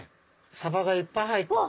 サバがいっぱい入ってる。